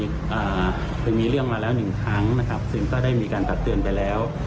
เคยมีเรื่องมาแล้วหนึ่งครั้งนะครับซึ่งก็ได้มีการตักเตือนไปแล้ว